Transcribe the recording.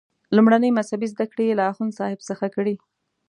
لومړنۍ مذهبي زده کړې یې له اخوندصاحب څخه کړي.